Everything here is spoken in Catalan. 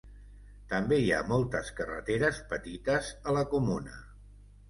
També hi ha moltes carreteres petites a la comuna.